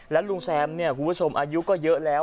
แล้วลุงแซมเนี่ยคุณผู้ชมอายุก็เยอะแล้ว